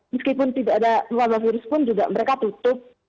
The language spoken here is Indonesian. meskipun tidak ada wabah virus pun juga mereka tutup